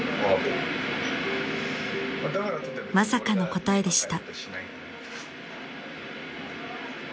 ［まさかの答えでした］